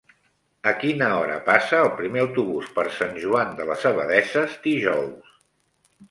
A quina hora passa el primer autobús per Sant Joan de les Abadesses dijous?